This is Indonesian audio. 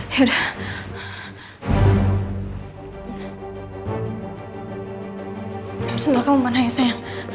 sendal kamu mana ya sayang